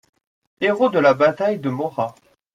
Héros de la bataille de Morat.